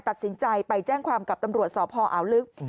ตัดสินใจไปแจ้งความกับตำรวจสพอ่าวลึก